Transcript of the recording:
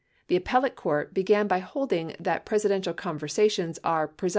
The appellate court began by holding that Presidential conversations are "presump 8 LA p.